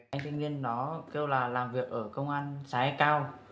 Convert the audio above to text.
anh sinh viên đó kêu là làm việc ở công an xã yà cao